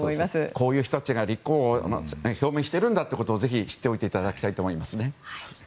こういう人たちが立候補を表明してるんだということをぜひ知っておいていただきたいと思いますね。